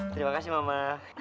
terima kasih mama